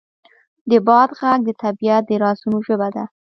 د باد غږ د طبیعت د رازونو ژبه ده.